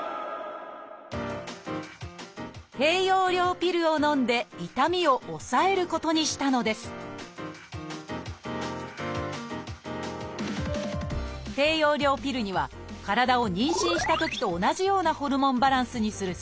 低用量ピルをのんで痛みを抑えることにしたのです低用量ピルには体を妊娠したときと同じようなホルモンバランスにする作用があります。